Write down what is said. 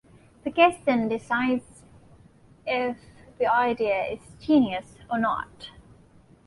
The guest then decides if the idea is "Genius or not".